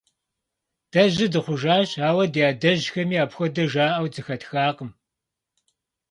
Дэ жьы дыхъужащ, ауэ ди адэжьхэми апхуэдэ жаӀэу зэхэтхакъым.